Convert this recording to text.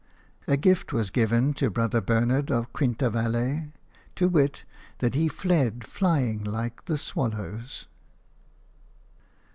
"A gift was given to Brother Bernard of Quintavalle, to wit, that he fled flying like the swallows."